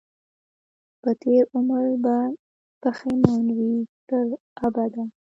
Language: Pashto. په تېر عمر به پښېمان وي تر ابده